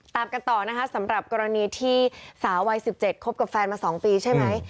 ตามกันต่อนะคะสำหรับกรณีที่สาววัย๑๗คบกับแฟนมา๒ปีใช่ไหม